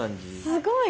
すごい！